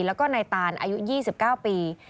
แล้วก็นายตานอายุ๒๙ปี